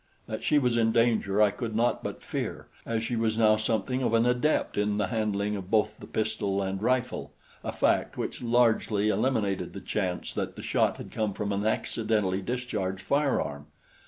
That she was in danger I could not but fear, as she was now something of an adept in the handling of both the pistol and rifle, a fact which largely eliminated the chance that the shot had come from an accidentally discharged firearm.